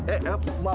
eh maaf pak